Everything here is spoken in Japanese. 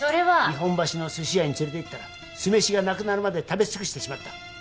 日本橋のすし屋に連れていったら酢飯がなくなるまで食べ尽くしてしまった。